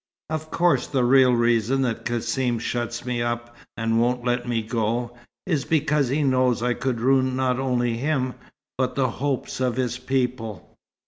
Of course the real reason that Cassim shuts me up and won't let me go, is because he knows I could ruin not only him, but the hopes of his people.